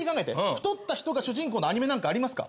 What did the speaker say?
太った人が主人公のアニメなんかありますか？